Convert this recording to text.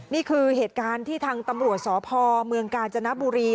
นี่คือเหตุการณ์ที่ทางตำรวจสพเมืองกาญจนบุรี